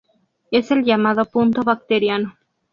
Es el llamado punto bacteriano.